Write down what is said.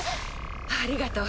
ありがとう。